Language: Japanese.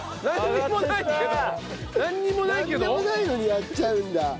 なんでもないのにやっちゃうんだ。